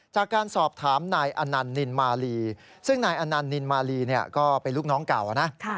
จากการสอบถามนายอนันต์นินมาลีซึ่งนายอนันต์นินมาลีเนี่ยก็เป็นลูกน้องเก่านะ